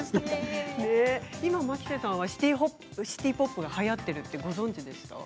今、牧瀬さんはシティ・ポップがはやってるのはご存じでしたか？